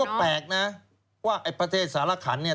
ก็แปลกนะว่าไอ้ประเทศสารขันเนี่ย